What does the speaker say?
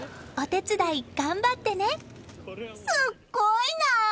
すっごいなあ！